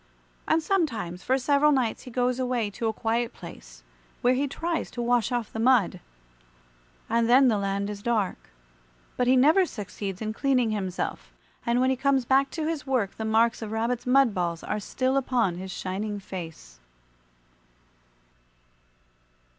And sometimes for several nights he goes away to a quiet place, where he tries to wash off the mud; and then the land is dark. But he never succeeds in cleaning himself, and when he comes back to his work the marks of Rabbit's mud balls are still upon his shining face.